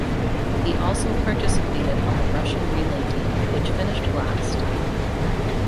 He also participated on the Russian relay team, which finished last.